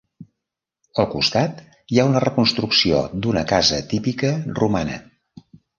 Al costat, hi ha una reconstrucció d'una casa típica romana.